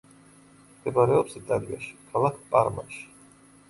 მდებარეობს იტალიაში, ქალაქ პარმაში.